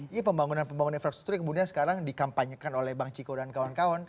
ini pembangunan pembangunan infrastruktur yang kemudian sekarang dikampanyekan oleh bang ciko dan kawan kawan